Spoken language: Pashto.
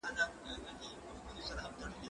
زه اجازه لرم چې منډه ووهم؟